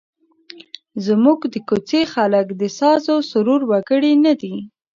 زموږ د کوڅې خلک د سازوسرور وګړي نه دي.